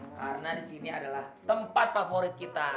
karena disini adalah tempat favorit kita